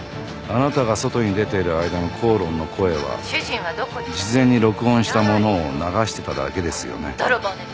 あなたが外に出ている間の口論の声は事前に録音したものを流してただけですよね。